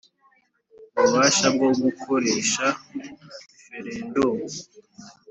Ububasha bwo gukoresha referendumu